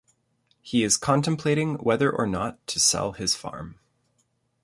He is contemplating whether or not to sell his farm.